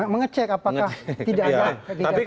mengecek apakah tidak ada kegiatan kampanye